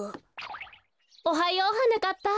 おはようはなかっぱ。